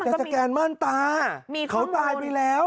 สแกนมั่นตาเขาตายไปแล้ว